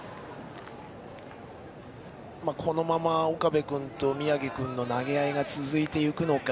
このまま岡部君と宮城君の投げ合いが続いていくのか。